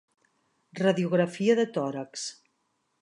Radiografia de tòrax.